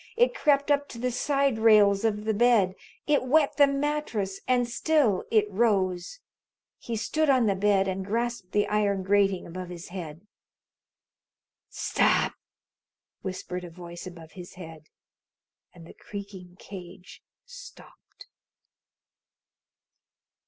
It crept up to the side rails of the bed. It wet the mattress and still it rose. He stood on the bed and grasped the iron grating above his head. "Stop!" whispered a voice above his head, and the creaking cage stopped.